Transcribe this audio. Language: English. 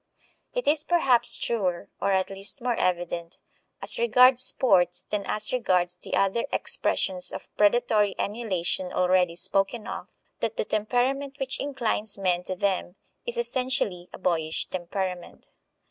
It is perhaps truer, or at least more evident, as regards sports than as regards the other expressions of predatory emulation already spoken of, that the temperament which inclines men to them is essentially a boyish temperament.